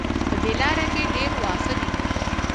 په دې لاره کې ډېر واښه دي